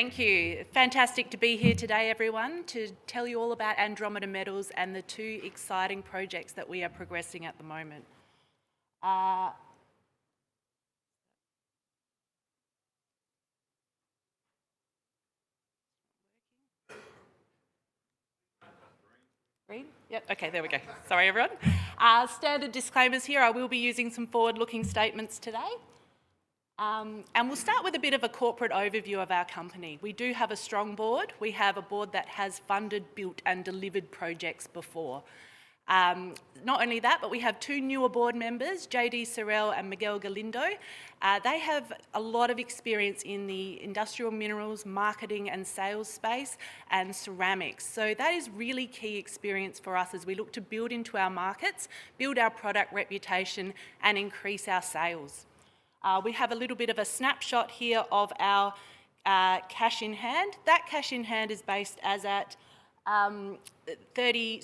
Thank you. Fantastic to be here today, everyone, to tell you all about Andromeda Metals and the two exciting projects that we are progressing at the moment. Ryan? Yep. Okay, there we go. Sorry, everyone. Standard disclaimers here. I will be using some forward-looking statements today. We'll start with a bit of a corporate overview of our company. We do have a strong board. We have a board that has funded, built, and delivered projects before. Not only that, but we have two newer board members, JD Sorrell and Miguel Galindo. They have a lot of experience in the industrial minerals, marketing, and sales space, and ceramics. That is really key experience for us as we look to build into our markets, build our product reputation, and increase our sales. We have a little bit of a snapshot here of our cash in hand. That cash in hand is based as at September 30.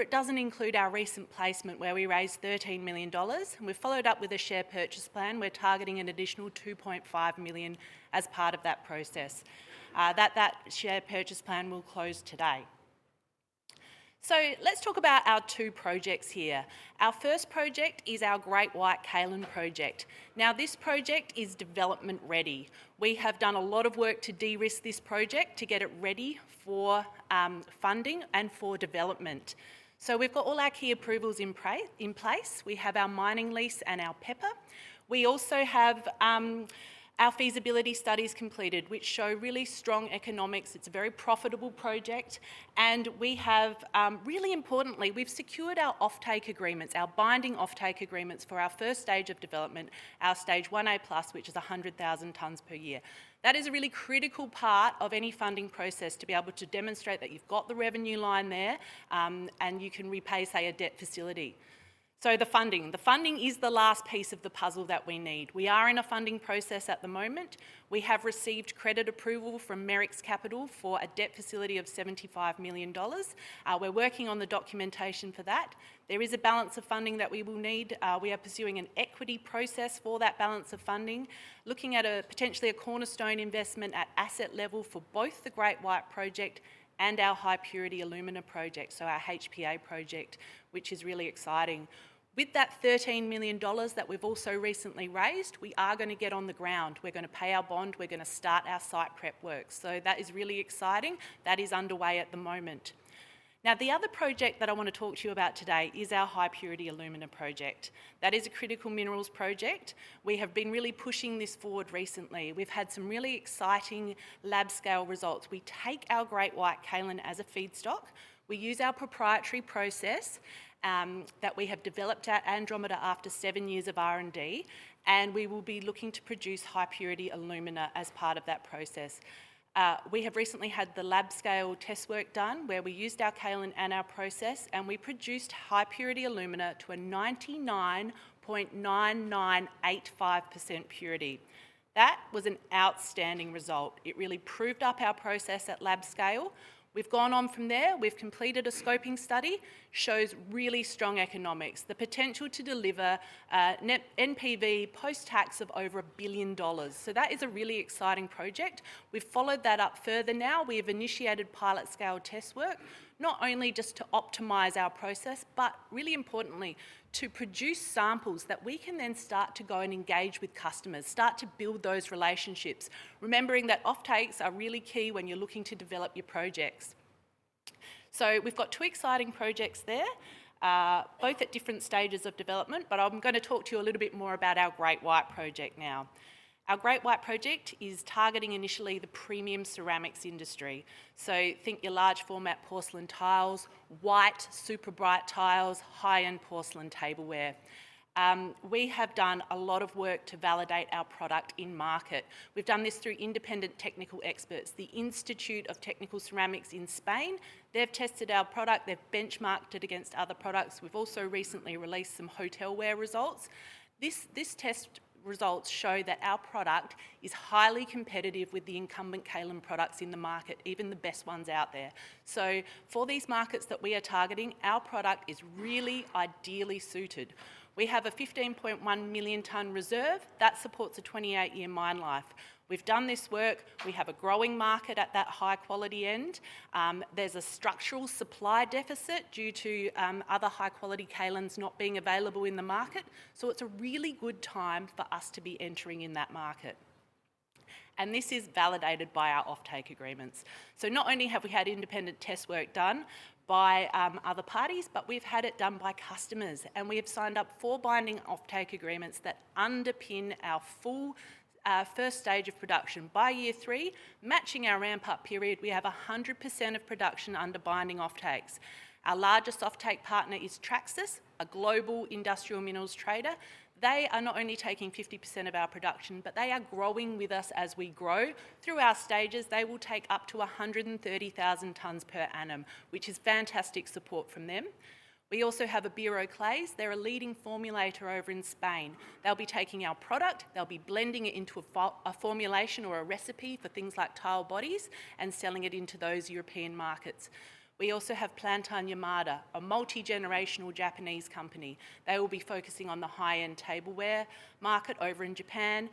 It does not include our recent placement where we raised 13 million dollars. We've followed up with a share purchase plan. We're targeting an additional 2.5 million as part of that process. That share purchase plan will close today. Let's talk about our two projects here. Our first project is our Great White Kaolin project. This project is development-ready. We have done a lot of work to de-risk this project to get it ready for funding and for development. We've got all our key approvals in place. We have our mining lease and our PEPR. We also have our feasibility studies completed, which show really strong economics. It's a very profitable project. Really importantly, we've secured our offtake agreements, our binding offtake agreements for our first stage of development, our Stage 1A+, which is 100,000 tonnes per year. That is a really critical part of any funding process to be able to demonstrate that you've got the revenue line there and you can repay, say, a debt facility. The funding is the last piece of the puzzle that we need. We are in a funding process at the moment. We have received credit approval from Merricks Capital for a debt facility of 75 million dollars. We're working on the documentation for that. There is a balance of funding that we will need. We are pursuing an equity process for that balance of funding, looking at potentially a cornerstone investment at asset level for both the Great White Project and our high-purity alumina project, so our HPA project, which is really exciting. With that 13 million dollars that we've also recently raised, we are going to get on the ground. We're going to pay our bond. We're going to start our site prep work. That is really exciting. That is underway at the moment. Now, the other project that I want to talk to you about today is our High-Purity Alumina Project. That is a critical minerals project. We have been really pushing this forward recently. We've had some really exciting lab-scale results. We take our Great White Kaolin as a feedstock. We use our proprietary process that we have developed at Andromeda after seven years of R&D, and we will be looking to produce high-purity alumina as part of that process. We have recently had the lab-scale test work done where we used our Kaolin and our process, and we produced high-purity alumina to a 99.9985% purity. That was an outstanding result. It really proved up our process at lab scale. We've gone on from there. We've completed a scoping study. It shows really strong economics, the potential to deliver NPV post-tax of over 1 billion dollars. That is a really exciting project. We've followed that up further now. We have initiated pilot-scale test work, not only just to optimize our process, but really importantly, to produce samples that we can then start to go and engage with customers, start to build those relationships, remembering that offtakes are really key when you're looking to develop your projects. We've got two exciting projects there, both at different stages of development, but I'm going to talk to you a little bit more about our Great White Project now. Our Great White Project is targeting initially the premium ceramics industry. Think your large-format porcelain tiles, white, super bright tiles, high-end porcelain tableware. We have done a lot of work to validate our product in market. We've done this through independent technical experts, the Institute of Ceramic Technology in Spain. They've tested our product. They've benchmarked it against other products. We've also recently released some hotelware results. These test results show that our product is highly competitive with the incumbent kaolin products in the market, even the best ones out there. For these markets that we are targeting, our product is really ideally suited. We have a 15.1 million tonne reserve that supports a 28-year mine life. We've done this work. We have a growing market at that high-quality end. There's a structural supply deficit due to other high-quality kaolins not being available in the market. It is a really good time for us to be entering in that market. This is validated by our offtake agreements. Not only have we had independent test work done by other parties, but we've had it done by customers. We have signed up four binding offtake agreements that underpin our full first stage of production. By Year Three, matching our ramp-up period, we have 100% of production under binding offtakes. Our largest offtake partner is Traxys, a global industrial minerals trader. They are not only taking 50% of our production, but they are growing with us as we grow. Through our stages, they will take up to 130,000 tonnes per annum, which is fantastic support from them. We also have Bureau Clais. They're a leading formulator over in Spain. They'll be taking our product. They'll be blending it into a formulation or a recipe for things like tile bodies and selling it into those European markets. We also have Platan Yamada, a multi-generational Japanese company. They will be focusing on the high-end tableware market over in Japan.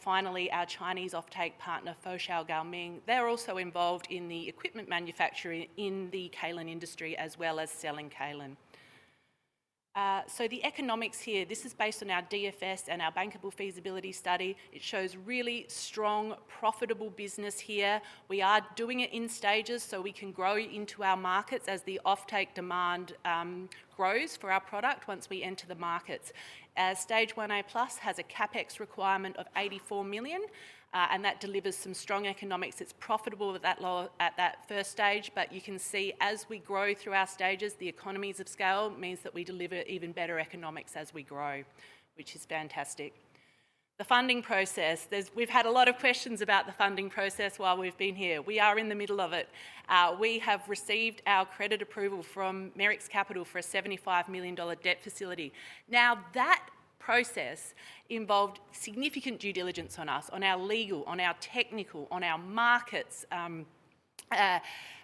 Finally, our Chinese offtake partner, Foshan Gaoming. They're also involved in the equipment manufacturing in the kaolin industry as well as selling kaolin. The economics here, this is based on our DFS and our bankable feasibility study. It shows really strong, profitable business here. We are doing it in stages so we can grow into our markets as the offtake demand grows for our product once we enter the markets. Stage 1A+ has a CapEx requirement of 84 million, and that delivers some strong economics. It's profitable at that first stage, but you can see as we grow through our stages, the economies of scale means that we deliver even better economics as we grow, which is fantastic. The funding process, we've had a lot of questions about the funding process while we've been here. We are in the middle of it. We have received our credit approval from Merricks Capital for an 75 million dollar debt facility. Now, that process involved significant due diligence on us, on our legal, on our technical, on our markets, our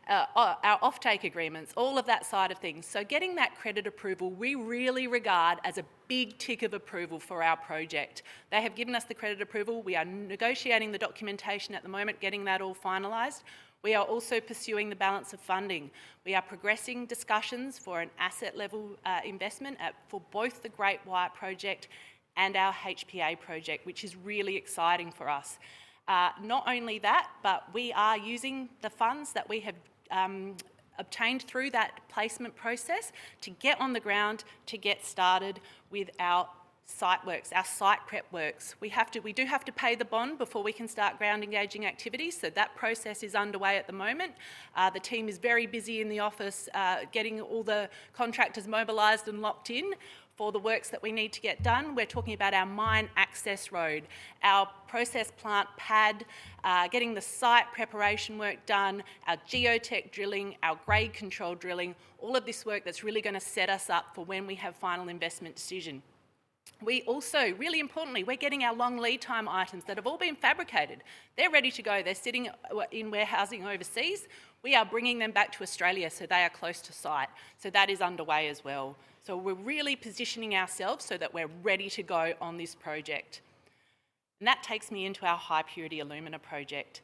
offtake agreements, all of that side of things. Getting that credit approval, we really regard as a big tick of approval for our project. They have given us the credit approval. We are negotiating the documentation at the moment, getting that all finalized. We are also pursuing the balance of funding. We are progressing discussions for an asset-level investment for both the Great White Project and our HPA Project, which is really exciting for us. Not only that, but we are using the funds that we have obtained through that placement process to get on the ground, to get started with our site works, our site prep works. We do have to pay the bond before we can start ground-engaging activities. That process is underway at the moment. The team is very busy in the office getting all the contractors mobilized and locked in for the works that we need to get done. We're talking about our mine access road, our process plant pad, getting the site preparation work done, our geotech drilling, our grade control drilling, all of this work that's really going to set us up for when we have Final Investment Decision. We also, really importantly, we're getting our long-lead-time items that have all been fabricated. They're ready to go. They're sitting in warehousing overseas. We are bringing them back to Australia, so they are close to site. That is underway as well. We're really positioning ourselves so that we're ready to go on this project. That takes me into our High-Purity Alumina Project.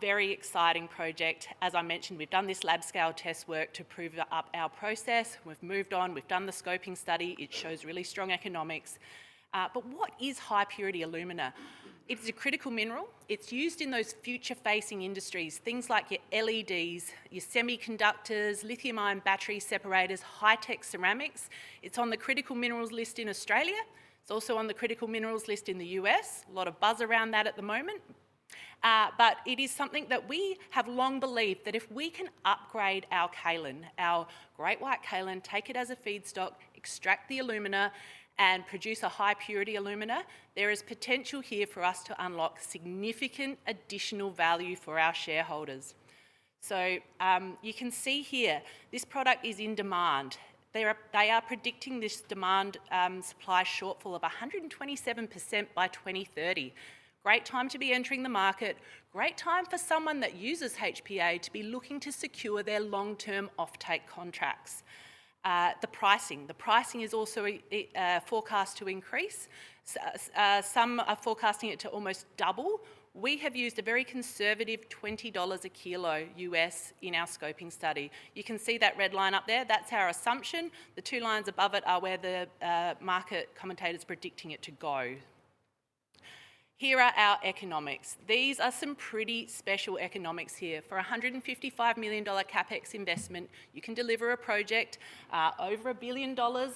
Very exciting project. As I mentioned, we've done this lab-scale test work to prove up our process. We've moved on. We've done the scoping study. It shows really strong economics. What is high-purity alumina? It's a critical mineral. It's used in those future-facing industries, things like your LEDs, your semiconductors, lithium-ion battery separators, high-tech ceramics. It's on the critical minerals list in Australia. It's also on the critical minerals list in the U.S. A lot of buzz around that at the moment. It is something that we have long believed that if we can upgrade our kaolin, our Great White Kaolin, take it as a feedstock, extract the alumina, and produce a high-purity alumina, there is potential here for us to unlock significant additional value for our shareholders. You can see here, this product is in demand. They are predicting this demand-supply shortfall of 127% by 2030. Great time to be entering the market. Great time for someone that uses HPA to be looking to secure their long-term offtake contracts. The pricing. The pricing is also forecast to increase. Some are forecasting it to almost double. We have used a very conservative $20 a kilo U.S. in our scoping study. You can see that red line up there. That's our assumption. The two lines above it are where the market commentator's predicting it to go. Here are our economics. These are some pretty special economics here. For a 155 million dollar CapEx investment, you can deliver a project over 1 billion dollars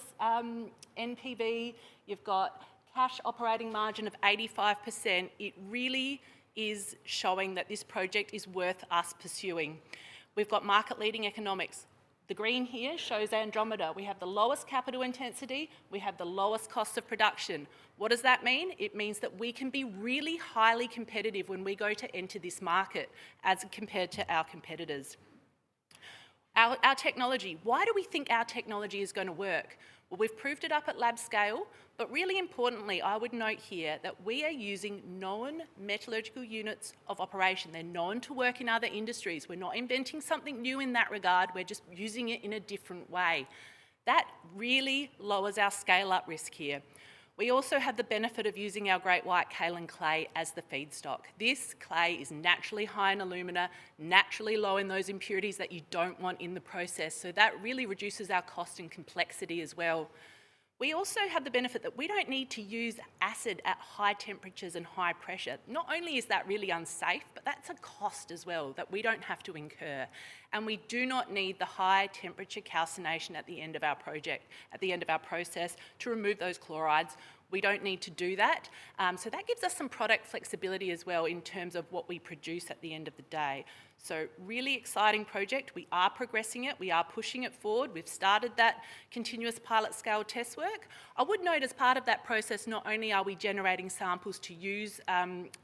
NPV. You've got cash operating margin of 85%. It really is showing that this project is worth us pursuing. We've got market-leading economics. The green here shows Andromeda. We have the lowest capital intensity. We have the lowest cost of production. What does that mean? It means that we can be really highly competitive when we go to enter this market as compared to our competitors. Our technology. Why do we think our technology is going to work? We have proved it up at lab scale. Really importantly, I would note here that we are using known metallurgical units of operation. They are known to work in other industries. We are not inventing something new in that regard. We are just using it in a different way. That really lowers our scale-up risk here. We also have the benefit of using our Great White Kaolin clay as the feedstock. This clay is naturally high in alumina, naturally low in those impurities that you do not want in the process. That really reduces our cost and complexity as well. We also have the benefit that we do not need to use acid at high temperatures and high pressure. Not only is that really unsafe, but that is a cost as well that we do not have to incur. We do not need the high-temperature calcination at the end of our project, at the end of our process to remove those chlorides. We do not need to do that. That gives us some product flexibility as well in terms of what we produce at the end of the day. Really exciting project. We are progressing it. We are pushing it forward. We have started that continuous pilot-scale test work. I would note as part of that process, not only are we generating samples to use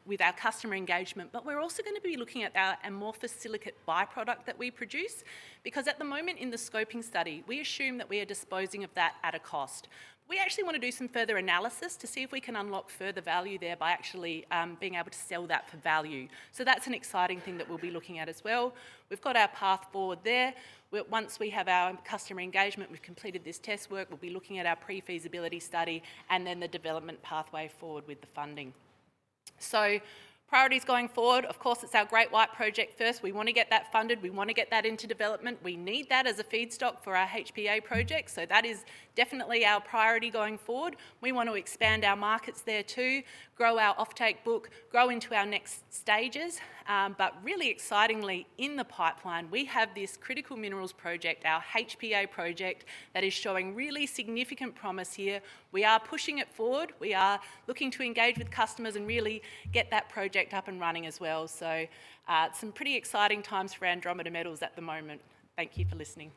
with our customer engagement, but we are also going to be looking at our amorphous silicate byproduct that we produce. Because at the moment in the scoping study, we assume that we are disposing of that at a cost. We actually want to do some further analysis to see if we can unlock further value there by actually being able to sell that for value. That is an exciting thing that we will be looking at as well. We have got our path forward there. Once we have our customer engagement, we have completed this test work, we will be looking at our pre-feasibility study and then the development pathway forward with the funding. Priorities going forward. Of course, it is our Great White Project first. We want to get that funded. We want to get that into development. We need that as a feedstock for our HPA Project. That is definitely our priority going forward. We want to expand our markets there too, grow our offtake book, grow into our next stages. Really excitingly, in the pipeline, we have this critical minerals project, our HPA Project that is showing really significant promise here. We are pushing it forward. We are looking to engage with customers and really get that project up and running as well. Some pretty exciting times for Andromeda Metals at the moment. Thank you for listening.